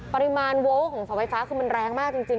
ปริมาณโวลต์ของเสาไฟฟ้าคือมันแรงมากจริง